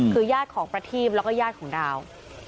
คือญาติของประทีบแล้วก็ญาติของดาว